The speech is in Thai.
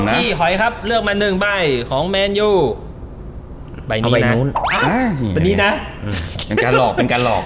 ของพี่ให้เรียกมาหนึ่งใบของใบนี้นะเป็นเป็นการหลอกเป็นการหลอก